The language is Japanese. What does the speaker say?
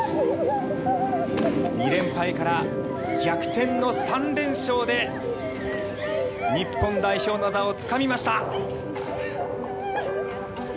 ２連敗から逆転の３連勝で日本代表の座をつかみました！